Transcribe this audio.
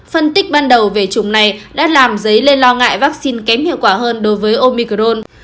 phân tích ban đầu về chủng này đã làm dấy lên lo ngại vaccine kém hiệu quả hơn đối với omicron